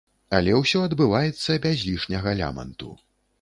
Але ўсё адбываецца без лішняга ляманту.